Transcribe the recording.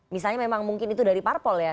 misalnya memang mungkin itu dari parpol ya